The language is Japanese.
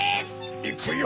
いくよ！